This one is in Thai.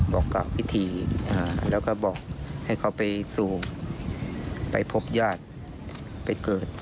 บอกกับพิธีแล้วก็บอกให้เขาไปสู่ไปพบญาติไปเกิด